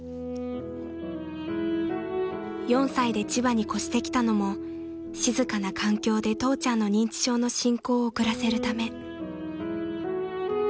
［４歳で千葉に越してきたのも静かな環境で父ちゃんの認知症の進行を遅らせるため］